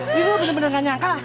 ini lo bener bener gak nyangka